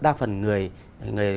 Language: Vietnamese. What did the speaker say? đa phần người